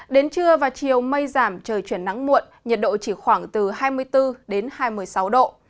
đến trưa và chiều mây giảm trời chuyển nắng muộn nhiệt độ chỉ khoảng từ hai mươi bốn đến hai mươi sáu độ